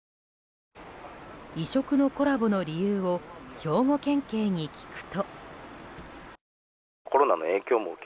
異色のコラボの理由を兵庫県警に聞くと。